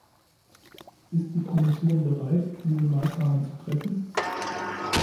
Ist die Kommission bereit, diese Maßnahmen zu treffen?